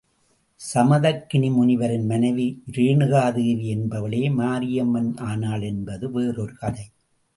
சமதக்கினி முனிவரின் மனைவி இரேணுகாதேவி என்பவளே மாரியம்மன் ஆனாள் என்பது வேறொரு கதை.